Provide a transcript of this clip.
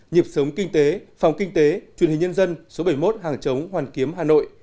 nhịp sống kinh tế phòng kinh tế truyền hình nhân dân số bảy mươi một hàng chống hoàn kiếm hà nội